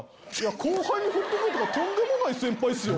後輩にふってくるとかとんでもない先輩っすよ。